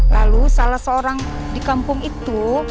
lalu salah seorang di kampung itu